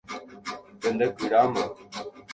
Pendekyráma.